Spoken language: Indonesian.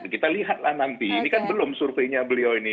kita lihatlah nanti ini kan belum surveinya beliau ini